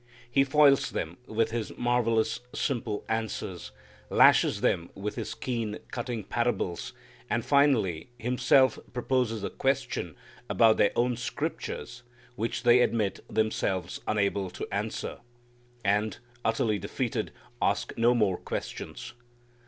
He foils them with His marvellous, simple answers, lashes them with His keen, cutting parables and finally Himself proposes a question about their own scriptures which they admit themselves unable to answer, and, utterly defeated, ask no more questions.